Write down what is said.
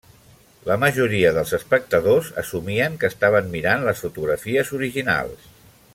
La majoria dels espectadors assumien que estaven mirant les fotografies originals.